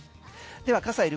では傘いる？